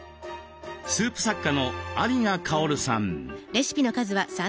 スープ作家の有賀薫さん。